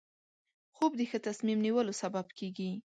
خوب د ښه تصمیم نیولو سبب کېږي